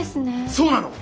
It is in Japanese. そうなの。